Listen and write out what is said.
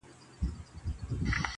نه یې له تیارې نه له رڼا سره،